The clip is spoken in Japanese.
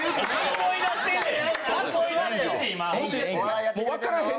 思いだしてんねん。